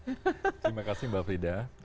terima kasih mbak frida